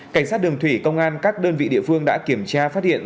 cảnh sát đường thủy công an các đơn vị địa phương đã kiểm tra phát hiện